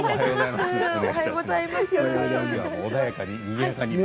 おはようございます。